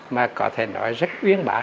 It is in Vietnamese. mà có thể nói rất uyến bạc